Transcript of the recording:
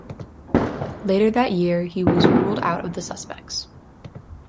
Later that year, he was ruled out of the suspects.